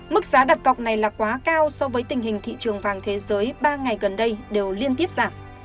mức giá đặt cọc này là quá cao so với tình hình thị trường vàng thế giới ba ngày gần đây đều liên tiếp giảm